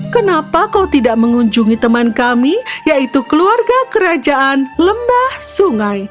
kenapa kau tidak mengunjungi teman kami yaitu keluarga kerajaan lembah sungai